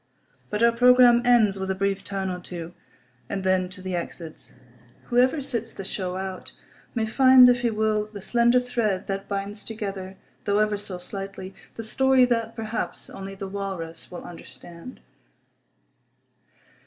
But our programme ends with a brief "turn" or two; and then to the exits. Whoever sits the show out may find, if he will, the slender thread that binds together, though ever so slightly, the story that, perhaps, only the Walrus will understand.